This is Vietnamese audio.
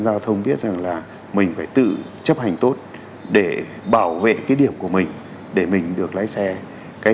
giao thông biết rằng là mình phải tự chấp hành tốt để bảo vệ cái điểm của mình để mình được lái xe cái